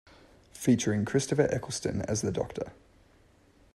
Featuring Christopher Eccleston as The Doctor.